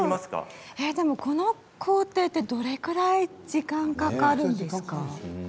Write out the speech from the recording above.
でもこの工程ってどれくらい時間がかかるんですか。